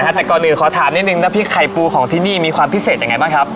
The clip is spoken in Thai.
แต่ก่อนอื่นขอถามนิดนึงน้ำพริกไข่ปูของที่นี่มีความพิเศษยังไงบ้างครับ